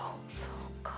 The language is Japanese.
そうか。